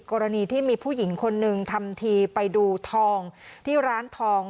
กรณีที่มีผู้หญิงคนหนึ่งทำทีไปดูทองที่ร้านทอง